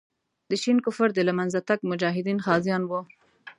د شین کفر د له منځه تګ مجاهدین غازیان وو.